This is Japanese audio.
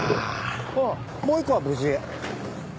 ああもう１個は無事。